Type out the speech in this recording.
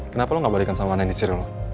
kenapa lo gak balik sama ananya di sirlo